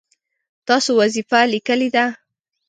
تاسو وظیفه لیکلې ده؟